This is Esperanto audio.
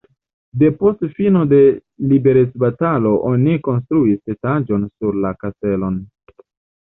Depost fino de liberecbatalo oni konstruis etaĝon sur la kastelon.